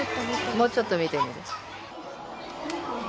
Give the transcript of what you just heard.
もうちょっと見てみる？